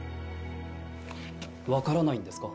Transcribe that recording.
分からないんですか？